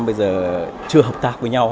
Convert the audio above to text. bây giờ chưa hợp tác với nhau